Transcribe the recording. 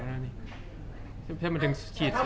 ถ้าวันนี้เขาไม่มาคุยกับเราแต่ว่าลูกก็ต้องดำเนินชีวิตต่อไปแล้ว